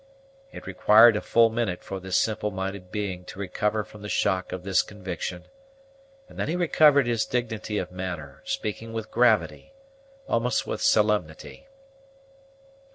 It required a full minute for this simple minded being to recover from the shock of this conviction; and then he recovered his dignity of manner, speaking with gravity, almost with solemnity.